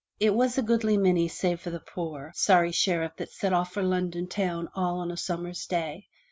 '* It was a goodly many save for the poor, sorry Sheriff that set off for London town all on a summer's day.